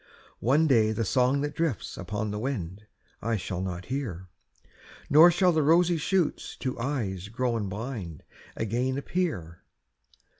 One day the song that drifts upon the wind, I shall not hear; Nor shall the rosy shoots to eyes grown blind Again appear.